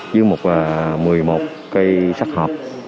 dưới một một mươi một cây sắc hộp